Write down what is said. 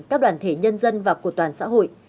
các đoàn thể nhân dân và của toàn xã hội